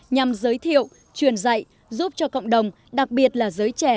nhằm giới thiệu truyền dạy giúp cho cộng đồng đặc biệt là giới trẻ